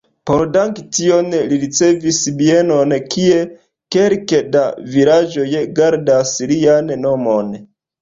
Por danki tion li ricevis bienon, kie kelke da vilaĝoj gardas lian nomon.